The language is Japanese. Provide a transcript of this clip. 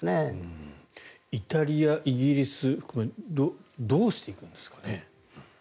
イタリア、イギリス含めどうしていくんですかね。